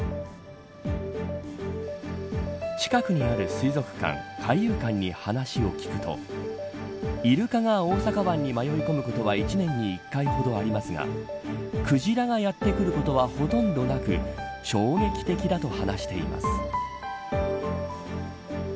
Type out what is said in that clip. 近くにある水族館海遊館に話を聞くとイルカが大阪湾に迷い込むことは１年に１回ほどありますがクジラがやってくることはほとんどなく衝撃的だと話しています。